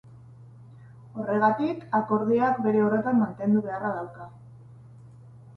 Horregatik, akordioak bere horretan mantendu beharra dauka.